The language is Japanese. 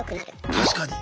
確かに。